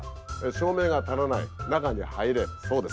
照明が足らない中に入れそうですか。